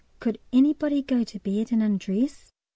Could anybody go to bed and undress?